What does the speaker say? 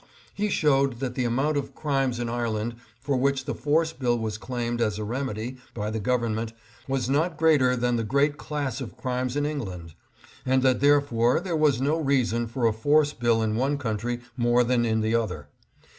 He showed that the amount of crimes in Ireland for which the Force Bill was claimed as a remedy by the Government was not greater than the great class of crimes in England; and that there fore there was no reason for a Force Bill in one country more than in the other.